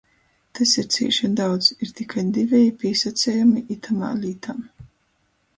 Tys ir cīši daudz. Ir tikai diveji pīsacejumi itamā lītā.